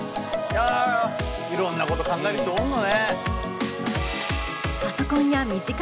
いやいろんなこと考える人おんのね。